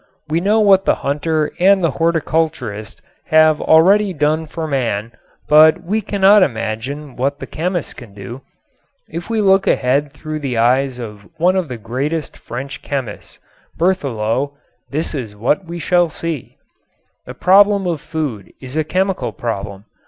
We know what the hunter and the horticulturist have already done for man, but we cannot imagine what the chemist can do. If we look ahead through the eyes of one of the greatest of French chemists, Berthelot, this is what we shall see: The problem of food is a chemical problem.